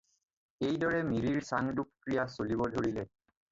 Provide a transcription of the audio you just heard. এইদৰে মিৰিৰ চাঙদোপ ক্ৰিয়া চলিব ধৰিলে।